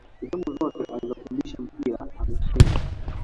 sehemu zote alizofundisha mpira ameshinda